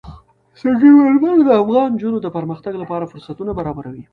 سنگ مرمر د افغان نجونو د پرمختګ لپاره فرصتونه برابروي.